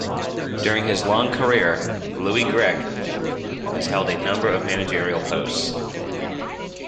During his long career, Louis Grech has held a number of managerial posts.